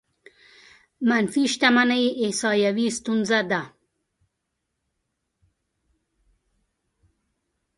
منفي شتمنۍ احصايوي ستونزه ده.